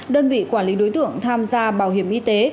đơn vị quản lý đối tượng tham gia bảo hiểm y tế